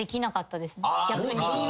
逆に。